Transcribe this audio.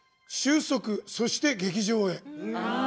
終息、そして劇場へ。